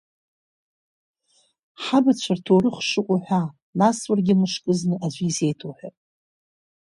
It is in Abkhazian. Ҳабацәа рҭоурых шыҟоу ҳәа, нас уаргьы мышкызны аӡәы изеиҭоуҳәап…